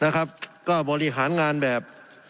นะครับก็บริหารงานแบบ